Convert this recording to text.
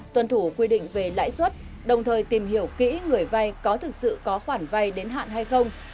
tuân thủ quy định về lãi suất đồng thời tìm hiểu kỹ người vay có thực sự có khoản vay đến hạn hay không